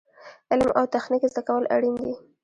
علم او تخنیک زده کول اړین دي